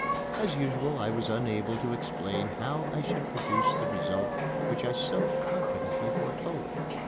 As usual I was unable to explain how I should produce the result which I so confidently foretold.